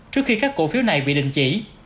trước khi các cổ phiếu này bị đình chỉ